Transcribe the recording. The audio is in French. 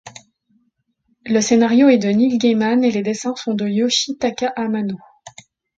Le scénario est de Neil Gaiman et les dessins sont de Yoshitaka Amano.